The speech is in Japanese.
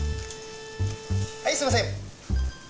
はいすみません。